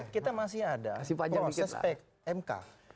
kita masih ada proses pemk